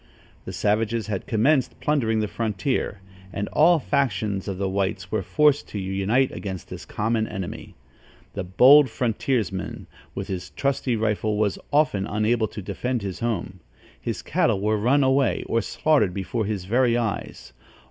The savages had commenced plundering the frontier, and all factions of the whites were forced to unite against this common enemy. The bold frontiersman, with his trusty rifle, was often unable to defend his home. His cattle were run away or slaughtered before his very eyes.